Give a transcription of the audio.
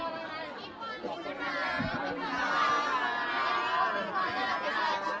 ไม่ได้หยัดแล้วนะ